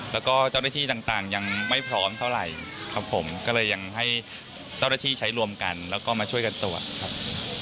แล้วก็เจ้าหน้าที่ต่างยังไม่พร้อมเท่าไหร่ครับผมก็เลยยังให้เจ้าหน้าที่ใช้รวมกันแล้วก็มาช่วยกันตรวจครับ